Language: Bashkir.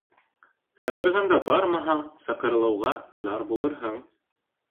Саҡырғанда бармаһаң, саҡырылыуға зар булырһың.